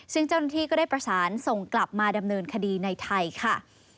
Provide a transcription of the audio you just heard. ซึ่งเจ้าหน้าที่ก็ได้ประสานส่งกลับมาดำเนินคดีในไทยค่ะ